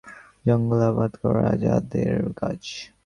জঙ্গল আবাদ করা তাদের কাজ।